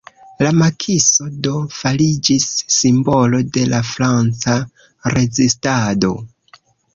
La Makiso do, fariĝis simbolo de la Franca rezistado.